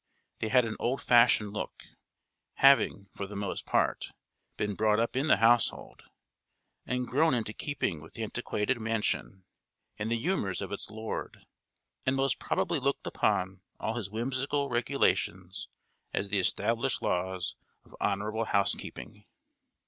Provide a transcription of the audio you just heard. They had an old fashioned look; having, for the most part, been brought up in the household, and grown into keeping with the antiquated mansion, and the humours of its lord; and most probably looked upon all his whimsical regulations as the established laws of honourable housekeeping.